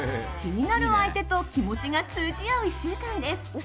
気になる相手と気持ちが通じ合う１週間です。